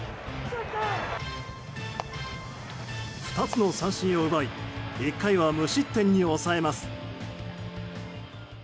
２つの三振を奪い１回は無失点に抑えます。